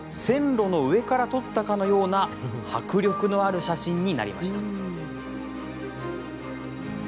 線路の上から撮ったかのような迫力のある写真になりました。